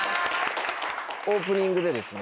オープニングでですね